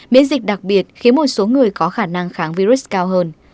miễn dịch đặc biệt khiến một số người có khả năng kháng virus cao hơn